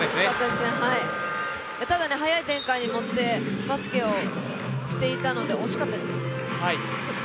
ただ、速い展開にいってバスケをしていたので惜しいです。